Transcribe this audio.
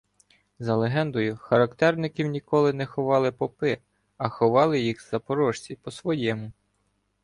За легендою, характерників «ніколи не ховали попи, а ховали їх запорожці по-своєму»